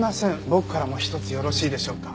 僕からも一つよろしいでしょうか？